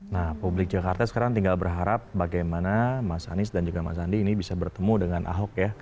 nah publik jakarta sekarang tinggal berharap bagaimana mas anies dan juga mas andi ini bisa bertemu dengan ahok ya